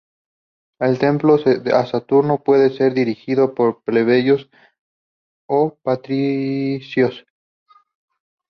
El templo a Saturno puede ser dirigido por plebeyos o patricios.